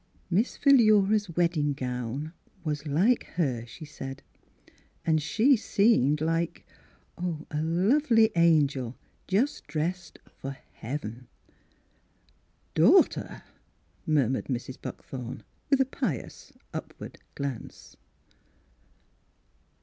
" Miss Philura's wedding gown was like her," she said ;" and she seemed like — a lovely angel, just dressed for heaven." "Daughter!" murmured Mrs. Buck thorn, with a pious upward glance.